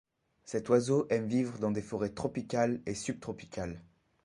Cet oiseau aime vivre dans des forêts tropicales et subtropicales.